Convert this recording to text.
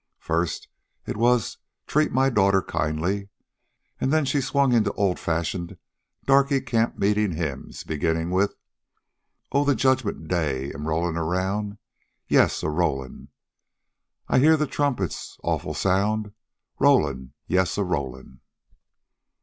First, it was "Treat my daughter kind i ly," and then she swung into old fashioned darky camp meeting hymns, beginning with: "Oh! de Judgmen' Day am rollin' roun', Rollin', yes, a rollin', I hear the trumpets' awful soun', Rollin', yes, a rollin'."